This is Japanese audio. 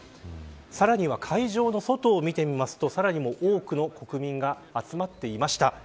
さらには会場の外を見てみるとさらに多くの国民が集まっていました。